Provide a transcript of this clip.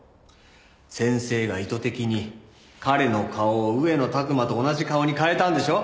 先生が意図的に彼の顔を上野拓馬と同じ顔に変えたんでしょ？